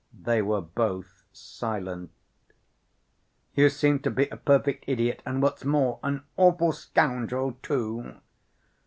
They were both silent. "You seem to be a perfect idiot, and what's more ... an awful scoundrel, too."